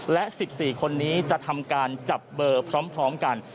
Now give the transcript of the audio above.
และ๑๔คนนี้จะทำการจับเบอร์พร้อมกัน